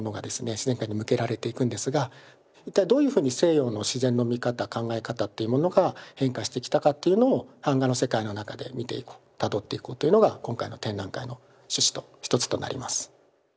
自然界に向けられていくんですが一体どういうふうに西洋の自然の見方考え方っていうものが変化してきたかっていうのを版画の世界の中で見ていこうたどっていこうというのが今回の展覧会の趣旨と一つとなります。